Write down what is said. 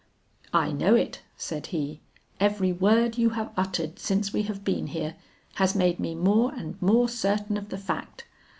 'I know it,' said he; 'every word you have uttered since we have been here has made me more and more certain of the fact.